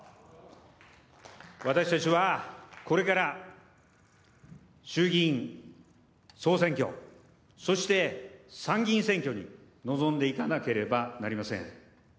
私たちはこれから、衆議院総選挙、そして参議院選挙に臨んでいかなければなりません。